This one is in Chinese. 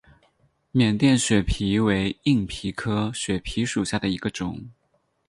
缅甸血蜱为硬蜱科血蜱属下的一个种。